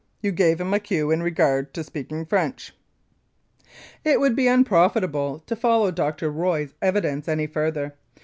You gave him a cue in regard to speaking French. It would be unprofitable to follow Dr. Roy's evidence any further.